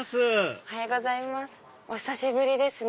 お久しぶりですね。